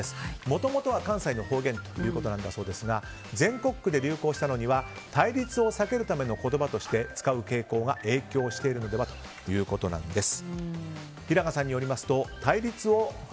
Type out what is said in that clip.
もともとは関西の方言ということですが全国区で流行したのには対立を避けるための言葉として使う傾向が影響しているのではということなんです。